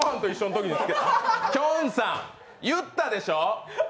きょんさん、言ったでしょ。